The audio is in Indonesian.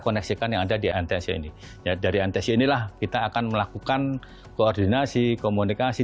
koneksikan yang ada di antesia ini ya dari antesi inilah kita akan melakukan koordinasi komunikasi